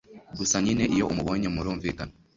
gusa nyine iyo umubonye murumvikana